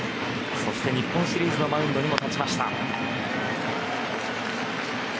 そして日本シリーズのマウンドにも立ちました。